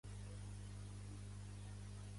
Quins partits volen la Independència?